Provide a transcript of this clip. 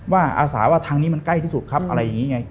อาสาว่าทางนี้มันใกล้ที่สุดครับอะไรอย่างนี้ไง